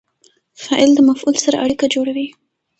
فاعل د مفعول سره اړیکه جوړوي.